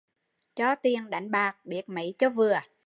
Cho tiền đánh bạc, biết mấy cho vừa